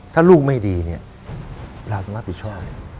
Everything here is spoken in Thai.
ถ้าลูกไม่ดีเนี่ยเราจะรับผิดชอบ